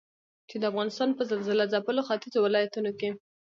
چې د افغانستان په زلزلهځپلو ختيځو ولايتونو کې